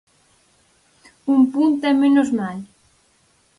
Un punto e menos mal.